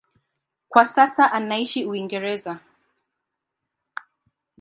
Kwa sasa anaishi Uingereza.